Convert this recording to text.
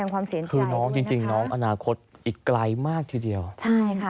ค่ะคือน้องจริงอาณาคตอีกไกลมากทีเดียวนะครับค่ะ